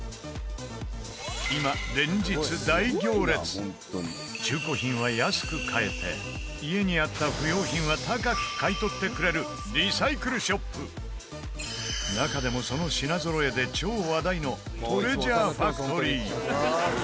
今、連日大行列中古品は安く買えて家にあった不要品は高く買い取ってくれるリサイクルショップ中でもその品ぞろえで超話題のトレジャーファクトリー